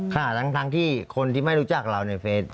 ค่ะทั้งที่คนที่ไม่รู้จักเราในเฟซ